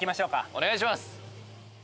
お願いします。